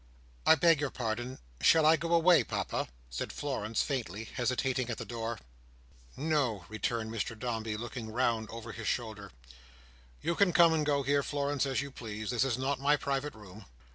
"I beg your pardon. Shall I go away, Papa?" said Florence faintly, hesitating at the door. "No," returned Mr Dombey, looking round over his shoulder; "you can come and go here, Florence, as you please. This is not my private room."